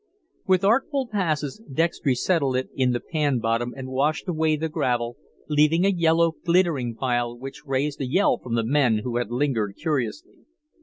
With artful passes Dextry settled it in the pan bottom and washed away the gravel, leaving a yellow, glittering pile which raised a yell from the men who had lingered curiously.